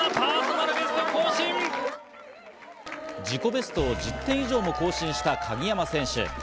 自己ベストを１０点以上も更新した鍵山選手。